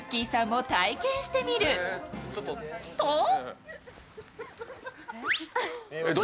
さんも体験してみると！